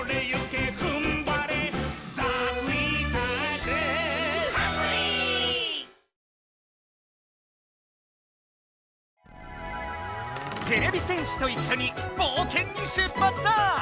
てれび戦士といっしょにぼうけんに出発だ！